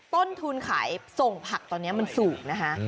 ต้นทุนขายส่งผักตอนนี้มันสูงนะคะ